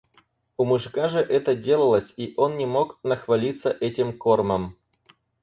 У мужика же это делалось, и он не мог нахвалиться этим кормом.